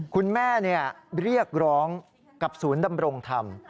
คุณแม่เรียกร้องกับศูนย์ดำรงธรรม